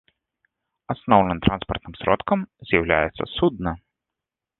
Асноўным транспартным сродкам з'яўляецца судна.